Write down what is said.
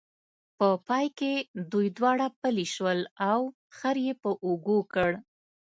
په پای کې دوی دواړه پلي شول او خر یې په اوږو کړ.